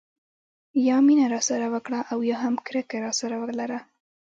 یا مینه راسره وکړه او یا هم کرکه راسره ولره.